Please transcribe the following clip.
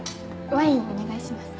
・ワインお願いします。